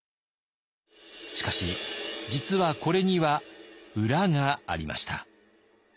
しかし実はこれには裏がありました。